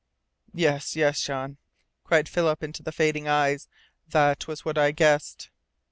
"Yes, yes, Jean!" cried Philip into the fading eyes. "That was what I guessed!"